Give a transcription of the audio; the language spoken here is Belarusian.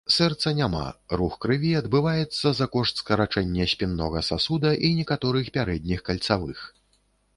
Сэрца няма, рух крыві адбываецца за кошт скарачэння спіннога сасуда і некаторых пярэдніх кальцавых.